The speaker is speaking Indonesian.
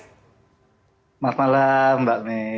selamat malam mbak may